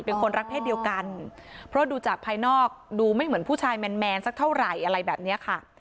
เป็นคนรักเศษเดียวกันเพราะดูจากภายนอกดูไม่เหมือนผู้ชายแมนสักเท่าไหร่อะไรแบบนี้ค่ะ